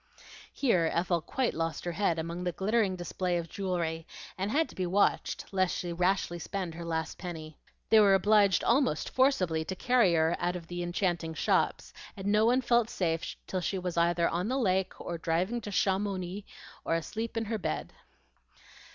Here Ethel quite lost her head among the glittering display of jewelry, and had to be watched lest she rashly spend her last penny. They were obliged almost forcibly to carry her out of the enchanting shops; and no one felt safe till she was either on the lake, or driving to Chamouni, or asleep in her bed.